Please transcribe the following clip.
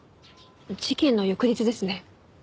事件の翌日ですね。